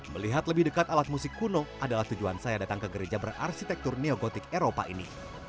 melihat lebih dekat alat musik kuno adalah tujuan saya datang ke gereja berarsitektur neogotik eropa ini